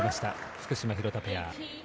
福島、廣田ペア。